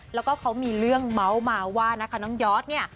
แล้วก็เขามีเรื่องเมาส์มาว่านะคะน้องยอดเนี่ย